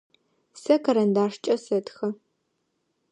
Сэ карандашкӏэ сэтхэ.